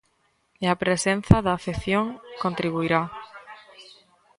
E a presenza da afección contribuirá.